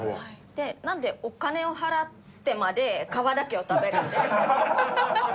なんでお金を払ってまで皮だけを食べるんですか？